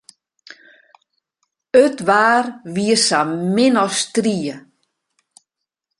It waar wie sa min as strie.